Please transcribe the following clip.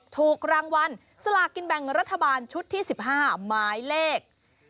ถูกรางวัลสลากินแบ่งรัฐบาลชุดที่๑๕หมายเลข